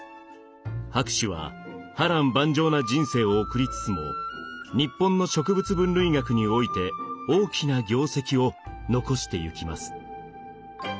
博士は波乱万丈な人生を送りつつも日本の植物分類学において大きな業績を残してゆきます。